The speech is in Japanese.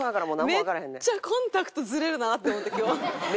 めっちゃコンタクトずれるなって思って今日。